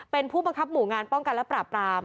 เป็นผู้บังคับหมู่งานป้องกันและปราบราม